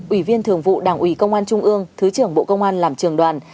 ủy viên thường vụ đảng ủy công an trung ương thứ trưởng bộ công an làm trường đoàn